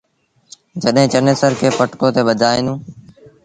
جڏهيݩ چنيسر کي پٽڪو تي ٻڌآيآندون۔